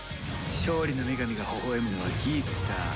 勝利の女神がほほ笑むのはギーツかバッファか。